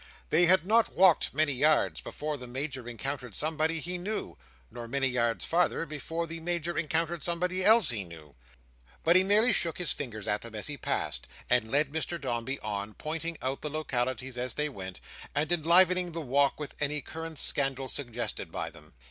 They had not walked many yards, before the Major encountered somebody he knew, nor many yards farther before the Major encountered somebody else he knew, but he merely shook his fingers at them as he passed, and led Mr Dombey on: pointing out the localities as they went, and enlivening the walk with any current scandal suggested by them.